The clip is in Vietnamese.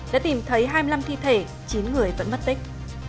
đã tìm thấy hai mươi năm thi thể chín người vẫn mất tích